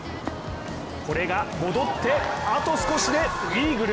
これが戻って、あと少しでイーグル。